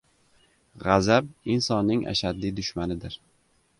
• G‘azab ― insonning ashaddiy dushmanidir.